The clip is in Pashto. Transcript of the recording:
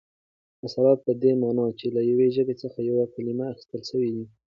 اثرات په دې مانا، چي له یوې ژبي څخه یوه کلیمه اخستل سوې يي.